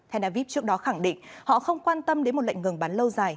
hena vip trước đó khẳng định họ không quan tâm đến một lệnh ngừng bắn lâu dài